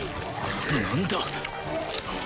何だ？